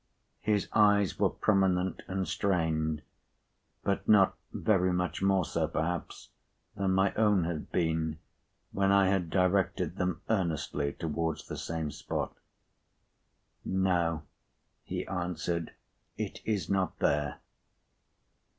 His eyes were prominent and strained; but not very much more so, perhaps, than my own had been when I had directed them earnestly towards the same spot. "No," he answered. "It is not there."